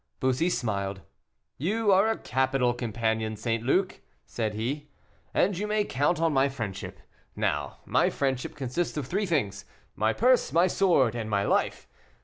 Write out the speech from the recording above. Bussy smiled. "You are a capital companion, St Luc," said he, "and you may count on my friendship. Now my friendship consists of three things, my purse, my sword, and my life.